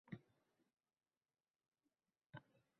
Uning kuchli ekani yaqqol ko‘rinadi.